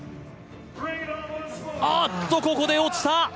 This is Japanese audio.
あっと、ここで落ちた！